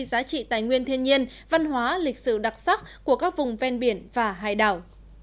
giá trị tài nguyên thiên nhiên văn hóa lịch sử đặc sắc của các vùng ven biển và hải đảo